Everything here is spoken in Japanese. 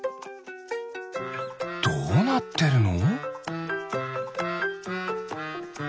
どうなってるの？